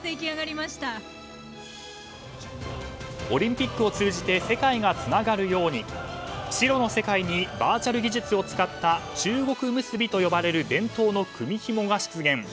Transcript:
オリンピックを通じて世界がつながるように白の世界にバーチャル技術を使った中国結びと呼ばれる伝統の組みひもが出現。